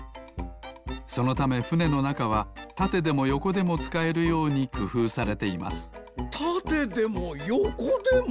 そのためふねのなかはたてでもよこでもつかえるようにくふうされていますたてでもよこでも。